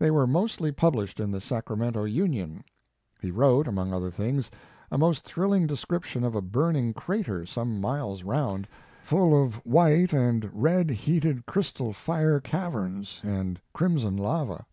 They were mostly published in the Sacramento Union. He wrote, among other things, a most thrilling description of a burning crater some miles around, full of white and red heated crystal fire caverns and crimson lava.